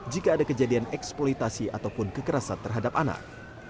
jika ada kejadian eksploitasi ataupun kekerasan terhadap anak